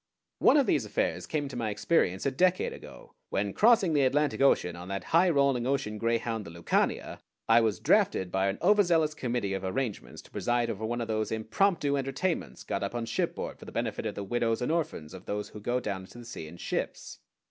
One of these affairs came into my experience a decade ago, when, crossing the Atlantic Ocean on that high rolling ocean greyhound, the Lucania, I was drafted by an overzealous committee of arrangements to preside over one of those impromptu entertainments got up on shipboard for the benefit of the widows and orphans of those who go down into the sea in ships.